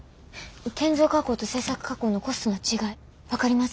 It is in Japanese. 転造加工と切削加工のコストの違い分かります？